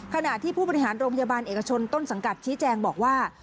ขณะที่ผู้บริหารโรงพยาบาลเอกชนต้นสังกัดชี้แจงบอกว่า